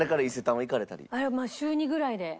週２ぐらいで。